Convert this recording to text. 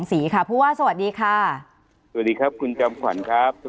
สวัสดีครับคุณจำขวัญครับ